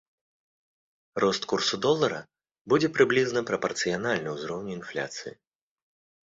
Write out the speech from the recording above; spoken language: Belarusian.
Рост курсу долара будзе прыблізна прапарцыянальны ўзроўню інфляцыі.